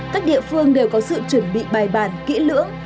các địa phương đều có sự chuẩn bị bài bản kỹ lưỡng